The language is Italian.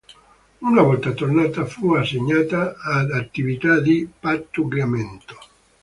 Una volta tornata, fu assegnata ad attività di pattugliamento.